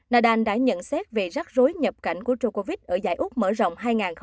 nadal đã nhận xét về rắc rối nhập cảnh của djokovic ở giải úc mở rộng hai nghìn hai mươi hai